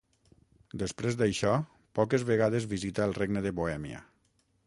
Després d'això, poques vegades visita el Regne de Bohèmia.